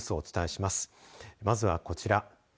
まずはこちら。